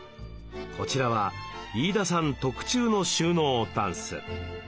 こちらは飯田さん特注の収納ダンス。